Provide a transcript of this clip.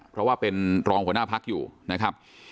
เพราะว่าเป็นรองหัวหน้าพักอยู่นะครับ